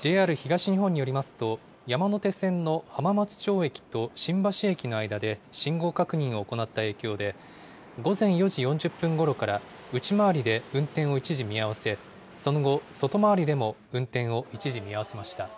ＪＲ東日本によりますと、山手線の浜松町駅と新橋駅の間で信号確認を行った影響で、午前４時４０分ごろから、内回りで運転を一時見合わせ、その後、外回りでも運転を一時見合わせました。